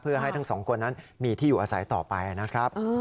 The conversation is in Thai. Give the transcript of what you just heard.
เพื่อให้ทั้งสองคนนั้นมีที่อยู่อาศัยต่อไปนะครับ